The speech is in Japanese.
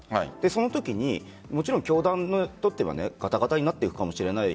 そのときに、教団にとってはガタガタになっていくかもしれない。